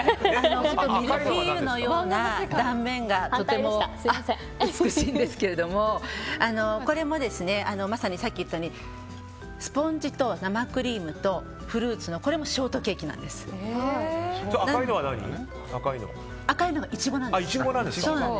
ミルフィーユのような断面がとても美しいんですけれどもこれもまさにさっき言ったようにスポンジと生クリームとフルーツの赤いのは何？